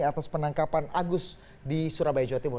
atas penangkapan agus di surabaya jawa timur